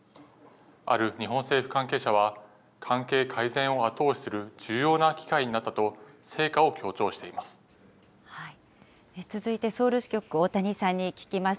ある日本政府関係者は、関係改善を後押しする重要な機会になった続いてソウル支局、大谷さんに聞きます。